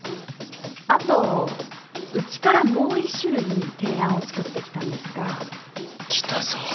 後うちからもう１種類提案を作ってきたんですが。来たぞ。